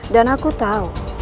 dan aku tahu